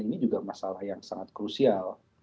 ini juga masalah yang sangat krusial